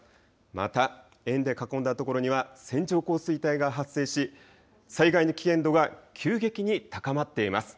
また円で囲んだ所には線状降水帯が発生し、災害の危険度が急激に高まっています。